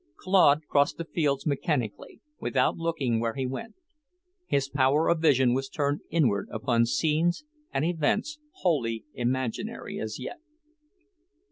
Claude crossed the fields mechanically, without looking where he went. His power of vision was turned inward upon scenes and events wholly imaginary as yet.